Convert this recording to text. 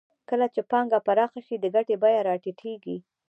کله چې پانګه پراخه شي د ګټې بیه راټیټېږي